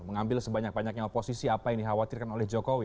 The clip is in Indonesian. mengambil sebanyak banyaknya oposisi apa yang dikhawatirkan oleh jokowi